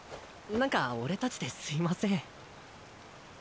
なんか俺たちですいません。